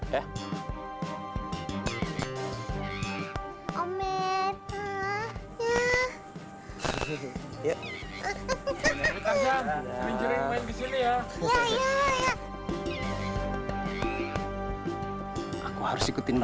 demi anak kita